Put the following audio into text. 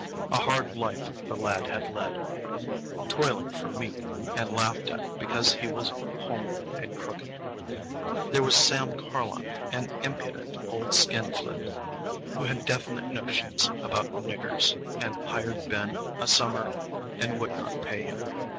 A hard life the lad had led, toiling for meat, and laughed at because he was homely and crooked. There was Sam Carlon, an impudent old skinflint, who had definite notions about "niggers," and hired Ben a summer and would not pay him.